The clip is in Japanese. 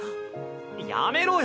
⁉やめろよ！